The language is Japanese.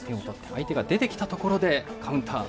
相手が出てきたところでカウンター。